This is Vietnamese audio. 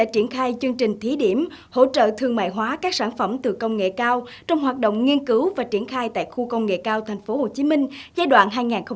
triển khai chương trình thí điểm hỗ trợ thương mại hóa các sản phẩm từ công nghệ cao trong hoạt động nghiên cứu và triển khai tại khu công nghệ cao tp hcm giai đoạn hai nghìn một mươi sáu hai nghìn hai mươi